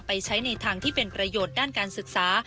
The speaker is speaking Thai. ใช้ในทางที่เป็นประโยชน์ด้านการศึกษา